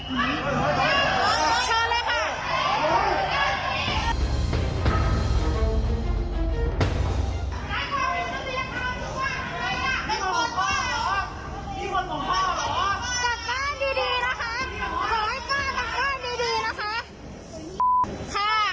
กลับบ้านดีนะคะขอให้ป้ากลับบ้านดีนะคะค่ะ